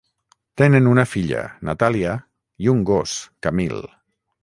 Tenen una filla, Natàlia, i un gos, Camille.